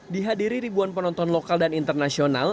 di hadiri ribuan penonton lokal dan internasional